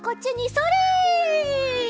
それ！